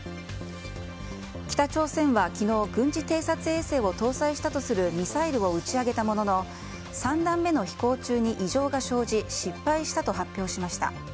北朝鮮は昨日軍事偵察衛星を搭載したとするミサイルを打ち上げたものの３段目の飛行中に異常が生じ失敗したと発表しました。